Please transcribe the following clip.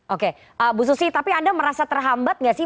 oke bu susi tapi anda merasa terhambat nggak sih